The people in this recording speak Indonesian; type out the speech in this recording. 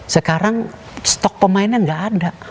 sekarang stok pemainnya nggak ada